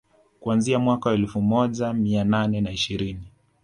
Kuanzia mwaka wa elfu moja mia nane na ishirini